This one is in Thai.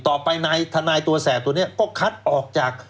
ต่อไปนายทนายตัวแสบตัวนี้ก็คัดออกจาก